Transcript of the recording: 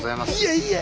いえいえ！